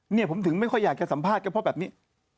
เนี่ยผมถึงไม่ค่อยอยากจะสัมภาษณ์ก็เพราะแบบนี้